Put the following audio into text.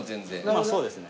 まあそうですね。